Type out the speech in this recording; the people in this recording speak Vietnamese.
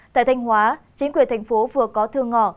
tại thanh hóa chính quyền thành phố vừa có thương ngọ